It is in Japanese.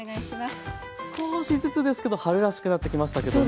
少しずつですけど春らしくなってきましたけども。